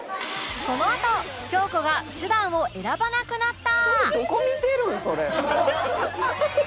このあと京子が手段を選ばなくなった！